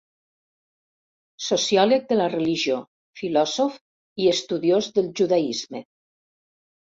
Sociòleg de la religió, filòsof i estudiós del judaisme.